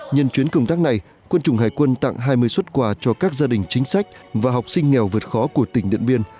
nhân chuyến công tác này quân chủng hải quân tặng hai mươi xuất quà cho các gia đình chính sách và học sinh nghèo vượt khó của tỉnh điện biên